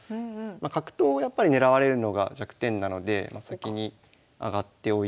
まあ角頭をやっぱり狙われるのが弱点なので先に上がっておいて。